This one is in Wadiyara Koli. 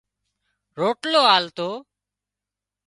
روٽلو آلتو